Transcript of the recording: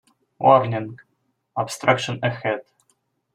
Warning! Obstruction ahead.